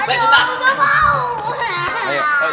aduh gak mau